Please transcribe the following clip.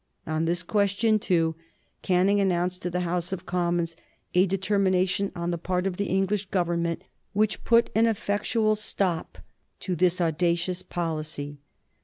On this question, too, Canning announced to the House of Commons a determination on the part of the English Government which put an effectual stop to this audacious policy.